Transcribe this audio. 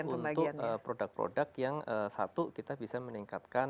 tentu kita alokasikan untuk produk produk yang satu kita bisa meningkatkan